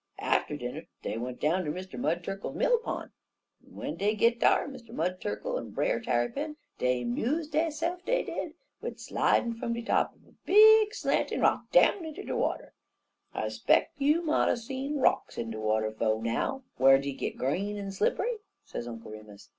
Atter dinner dey went down ter Mr. Mud Turkle mill pon,' en w'en dey git dar Mr. Mud Turkle en Brer Tarrypin dey 'muse deyse'f, dey did, wid slidin' fum de top uv a big slantin' rock down inter de water. "I'speck you moughter seen rocks in de water 'fo' now, whar dey git green en slipp'y," said Uncle Remus.